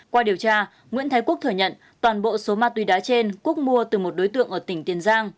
qua điều tra nguyễn thái quốc thừa nhận toàn bộ số ma túy đá trên quốc mua từ một đối tượng ở tỉnh tiền giang